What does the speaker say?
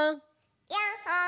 ・ヤッホー！